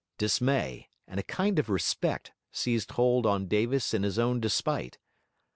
Dismay and a kind of respect seized hold on Davis in his own despite.